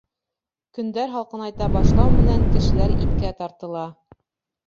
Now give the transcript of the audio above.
Көндәр һалҡынайта башлау менән кешеләр иткә тартыла.